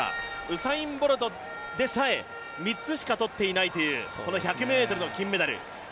ウサイン・ボルトでさえ、３つしかとっていないというこの１００ｍの金メダル。